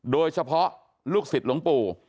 โดยเฉพาะลูกศิษย์หลงปู่